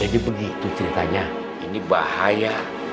jadi begitu ceritanya ini bahaya